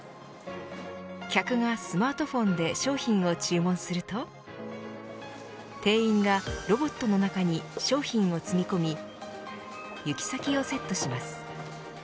客がスマートフォンで商品を注文すると店員がロボットの中に商品を積み込み行き先をセットします。